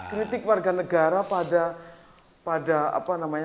kritik warga negara pada